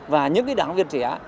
và những đảng viên trẻ